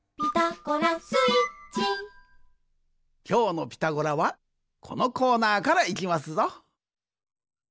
きょうの「ピタゴラ」はこのコーナーからいきますぞ！